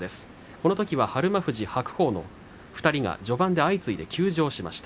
このときは日馬富士、白鵬の２人が序盤で相次いで休場しました。